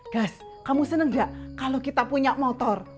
gas kamu seneng gak kalau kita punya motor